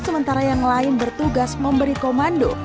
sementara yang lain bertugas memberi komando